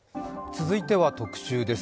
続いては特集です。